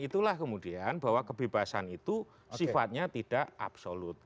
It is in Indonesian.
itulah kemudian bahwa kebebasan itu sifatnya tidak absolut